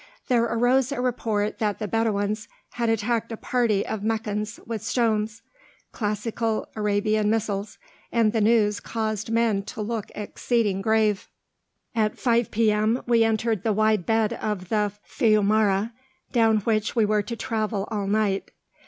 There arose a report that the Bedouins had attacked a party of Meccans with stones, classical Arabian missiles, and the news caused men to look exceeding grave. At 5 P.M. we entered the wide bed of the fiumara, down which we were to travel all night.